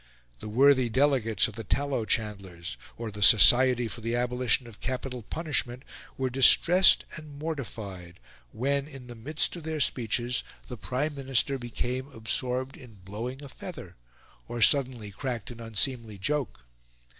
The worthy delegates of the tallow chandlers, or the Society for the Abolition of Capital Punishment, were distressed and mortified when, in the midst of their speeches, the Prime Minister became absorbed in blowing a feather, or suddenly cracked an unseemly joke.